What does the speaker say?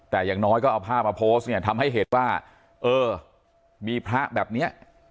แต่อย่างน้อยก็เอาภาพมาโพสต์เนี่ยทำให้เห็นว่าเออมีพระแบบเนี้ย